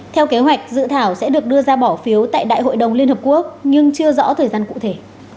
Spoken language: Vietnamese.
theo kế hoạch dự thảo sẽ được đưa ra bỏ phiếu tại đại hội đồng liên hợp quốc nhưng chưa rõ thời gian cụ thể